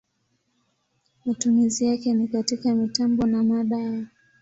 Matumizi yake ni katika mitambo na madawa.